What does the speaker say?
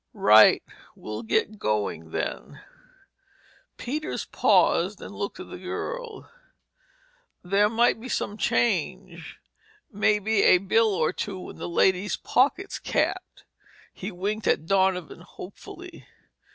"Right. We'll get going then." Peters paused and looked at the girl. "There might be some change—maybe a bill or two in the lady's pockets, Cap?" He winked at Donovan hopefully.